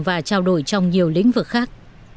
và trao đổi trong nhiều lĩnh vực khác